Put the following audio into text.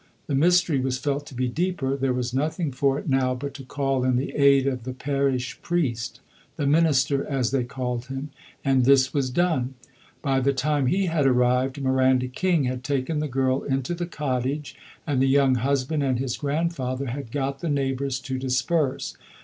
The mystery was felt to be deeper; there was nothing for it now but to call in the aid of the parish priest "the minister," as they called him and this was done. By the time he had arrived, Miranda King had taken the girl into the cottage, and the young husband and his grandfather had got the neighbours to disperse.